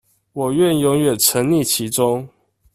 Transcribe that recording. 我願永遠沈溺其中